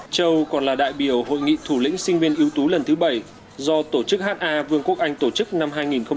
châu còn là đại biểu hội nghị thủ lĩnh sinh viên ưu tú lần thứ bảy do tổ chức ha vương quốc anh tổ chức năm hai nghìn một mươi chín